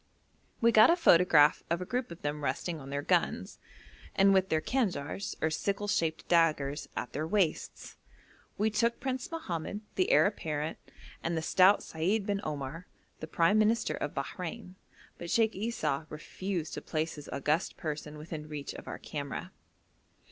We got a photograph of a group of them resting on their guns, and with their kanjars or sickle shaped daggers at their waists. We took Prince Mohamed, the heir apparent, and the stout Seid bin Omar, the prime minister of Bahrein. But Sheikh Esau refused to place his august person within reach of our camera.